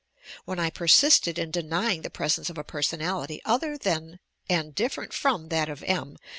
When I persisted in denying the presence of a personality other than and different from that of M.